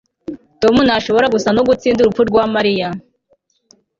tom ntashobora gusa no gutsinda urupfu rwa mariya